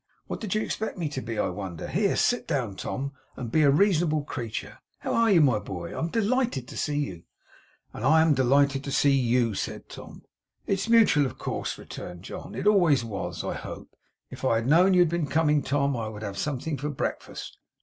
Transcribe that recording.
What did you expect me to be, I wonder! Here, sit down, Tom, and be a reasonable creature. How are you, my boy? I am delighted to see you!' 'And I am delighted to see YOU,' said Tom. 'It's mutual, of course,' returned John. 'It always was, I hope. If I had known you had been coming, Tom, I would have had something for breakfast.